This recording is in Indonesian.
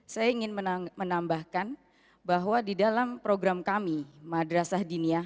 saya ingin menambahkan bahwa di dalam program kami madrasah dinia